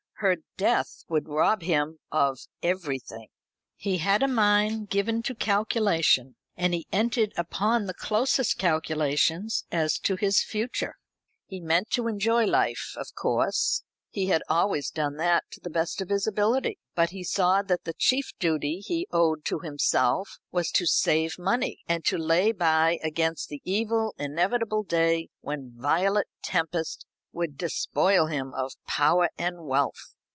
Her death would rob him of everything. He had a mind given to calculation, and he entered upon the closest calculations as to his future. He meant to enjoy life, of course. He had always done that to the best of his ability. But he saw that the chief duty he owed to himself was to save money; and to lay by against the evil inevitable day when Violet Tempest would despoil him of power and wealth.